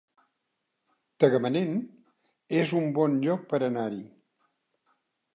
Tagamanent es un bon lloc per anar-hi